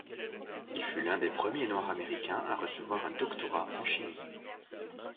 Il fut l'un des premiers noirs américains à recevoir un doctorat en chimie.